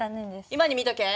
今に見とけ！